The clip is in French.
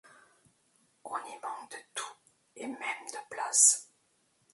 On y manque de tout, et même de place.